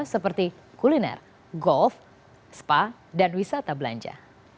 seperti kuliner golf spa dan wisata belanja